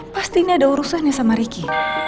pasti ini ada urusan ya sama ricky